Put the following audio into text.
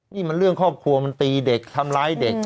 นี่มันเรื่องครอบครัวมันตีเด็กทำร้ายเด็ก